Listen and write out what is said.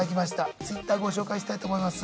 Ｔｗｉｔｔｅｒご紹介したいと思います。